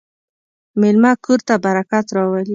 مېلمه کور ته برکت راولي.